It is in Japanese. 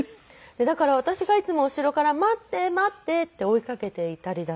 だから私がいつも後ろから「待って待って」って追いかけていたりだとか